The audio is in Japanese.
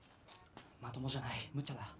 まともじゃないむちゃだ